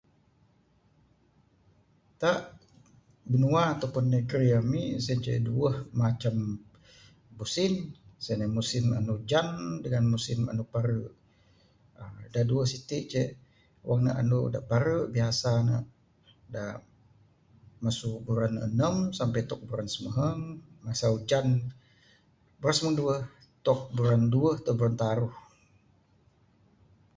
Dak binua ataupun negeri ami sien ceh duah macam musim, sien musim andu ujan dengan musim andu pare. Dak duah siti ceh wang ne andu dak pare biasa ne da mesu buran enem sampe tok buran semeheng, masa ujan buran semeheng duweh tok buran taruh.